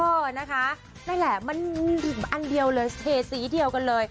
นะคะนั่นแหละมันอันเดียวเลยเทสีเดียวกันเลย